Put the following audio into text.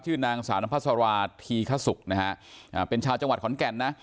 นางสาวนพัสราธีคสุกนะฮะเป็นชาวจังหวัดขอนแก่นนะ